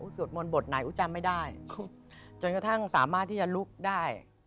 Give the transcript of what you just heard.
สวดมนต์บทไหนอู๋จำไม่ได้จนกระทั่งสามารถที่จะลุกได้